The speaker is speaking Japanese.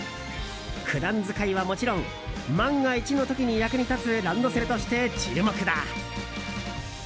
普段使いはもちろん万が一の時に役に立つランドセルとして注目だ。